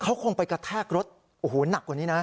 เขาคงไปกระแทกรถโอ้โหหนักกว่านี้นะ